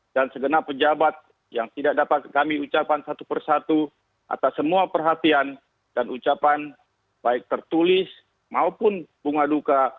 dan segenap pejabat yang tidak dapat kami ucapan satu persatu atas semua perhatian dan ucapan baik tertulis maupun bunga duka